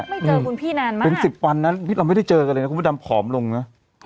ไม่เจอคุณพี่นานมากเป็นสิบวันนะเราไม่ได้เจอกันเลยนะคุณพระดำผอมลงนะ